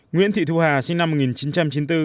nguyễn thị thu hà sinh năm một nghìn chín trăm chín mươi bốn